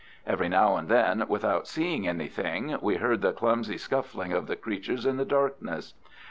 Every now and then, without seeing anything, we heard the clumsy scuffling of the creatures in the darkness.